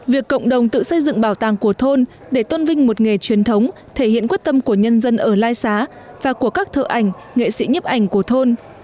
việc cộng đồng tự xây dựng bảo tàng của thôn để tôn vinh một nghề truyền thống thể hiện quyết tâm của nhân dân ở lai xá và của các thợ ảnh nghệ sĩ nhấp ảnh của thôn